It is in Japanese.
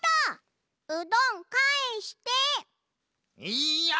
いや！